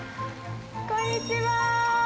こんにちは。